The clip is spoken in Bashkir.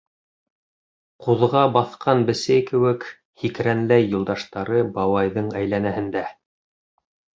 Ҡуҙға баҫҡан бесәй кеүек һикрәнләй юлдаштары бабайҙың әйләнәһендә.